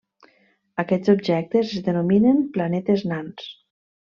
Aquests objectes es denominen planetes nans.